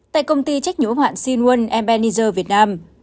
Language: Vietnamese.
tại công ty trách nhũa hoạn sin một mn easer việt nam